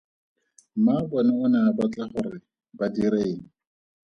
Mmaabona o ne a batla gore ba dire eng?